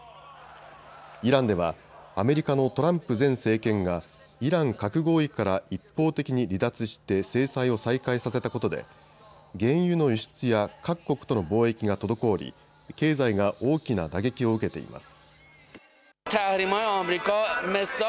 イランではアメリカのトランプ前政権がイラン核合意から一方的に離脱して制裁を再開させたことで原油の輸出や各国との貿易が滞り経済が大きな打撃を受けています。